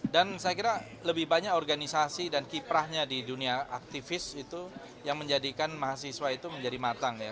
dan saya kira lebih banyak organisasi dan kiprahnya di dunia aktivis itu yang menjadikan mahasiswa itu menjadi matang ya